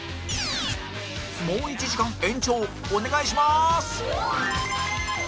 もう１時間延長お願いしまーす！